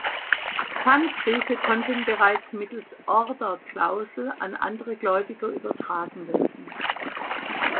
Pfandbriefe konnten bereits mittels Orderklausel an andere Gläubiger übertragen werden.